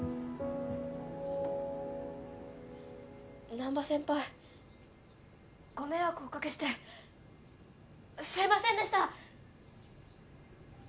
難波先輩ご迷惑お掛けしてすいませんでした。